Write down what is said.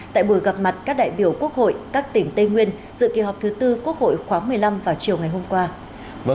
tại buổi gặp mặt các đại biểu quốc hội các tỉnh tây nguyên dự kỳ họp thứ tư quốc hội khóa một mươi năm vào chiều ngày hôm qua